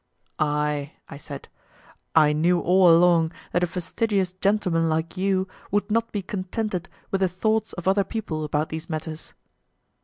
Aye, I said, I knew all along that a fastidious gentleman like you would not be contented with the thoughts of other people about these matters.